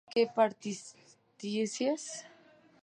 ¿que partieses?